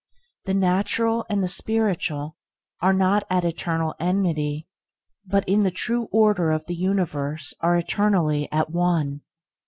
The natural and the spiritual are not at eternal enmity, but in the true order of the universe are eternally at one.